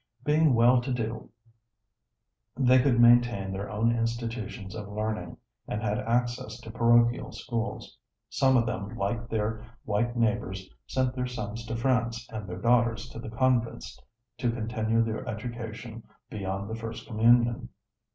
Being well to do they could maintain their own institutions of learning, and had access to parochial schools. Some of them like their white neighbors, sent their sons to France and their daughters to the convents to continue their education beyond the first communion.